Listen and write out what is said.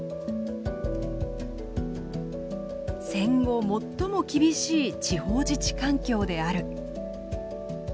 「戦後最も厳しい地方自治環境である」。